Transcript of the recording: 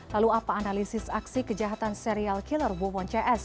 lalu apa analisis aksi kejahatan serial killer wumon cs